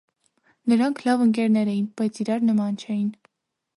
Նրանք լավ ընկերներ էին, բայց իրար նման չէին։